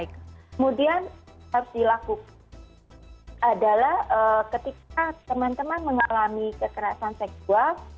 kemudian harus dilakukan adalah ketika teman teman mengalami kekerasan seksual